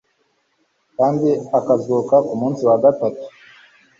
kandi akazuka ku munsi wa gatatu."